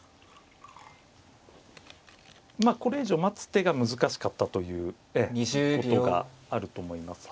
これ以上待つ手が難しかったということがあると思います。